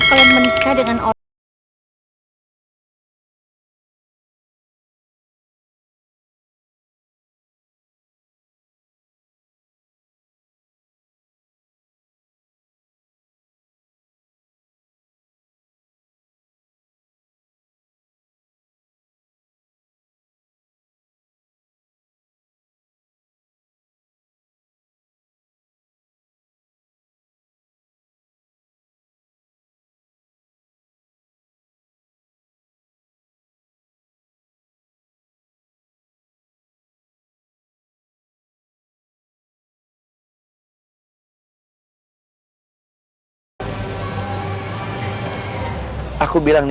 kalian menikah dengan orang